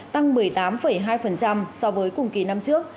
tăng một mươi tám hai so với cùng kỳ năm trước